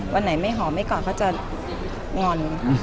วันไหนไม่หอมไม่กอดเขาจะงอน